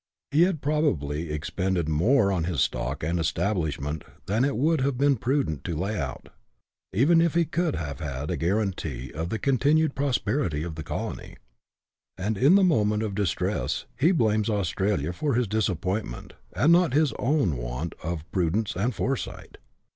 He had probably expended more on his stock and establishment than it would have been prudent to lay out, even if he could have had a guarantee of the continued prosperity of the colony ; and, in tiie moment of distress, he blames Australia for his disappointment, and not his own want of prudence and foresight.